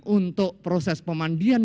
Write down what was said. untuk proses pemandian